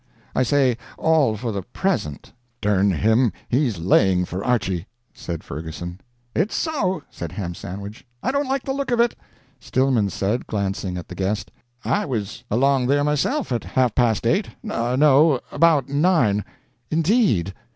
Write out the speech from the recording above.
I say, all for the present." "Dern him, he's laying for Archy," said Ferguson. "It's so," said Ham Sandwich. "I don't like the look of it." Stillman said, glancing at the guest, "I was along there myself at half past eight no, about nine." "Indeed?